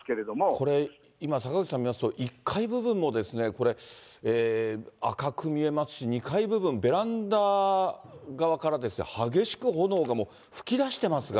これ、今、さかぐちさん見ますと、１階部分もこれ、赤く見えますし、２階部分、ベランダ側から激しく炎が噴き出してますが。